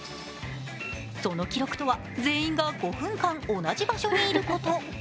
その記録とは、全員が５分間同じ場所にいること。